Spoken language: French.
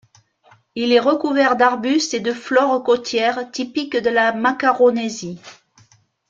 Il est recouvert d'arbustes et de flore côtière typique de la Macaronésie.